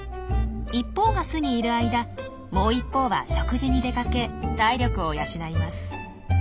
一方が巣にいる間もう一方は食事に出かけ体力を養います。